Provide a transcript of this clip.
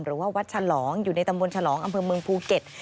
หรือว่าวัดฉลองอยู่ในตำบลฉลองอำเภอเมืองภูเก็ต